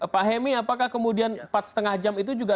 pak hemi apakah kemudian empat lima jam itu juga